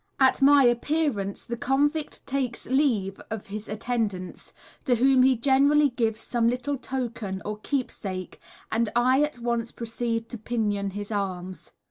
At my appearance the convict takes leave of his attendants, to whom he generally gives some little token or keepsake, and I at once proceed to pinion his arms.